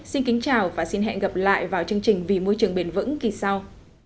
xin kính chào và xin hẹn gặp lại vào chương trình vì môi trường bền vững kỳ sau